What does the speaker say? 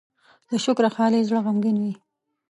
له شکره خالي زړه غمګين وي.